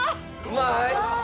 うまい？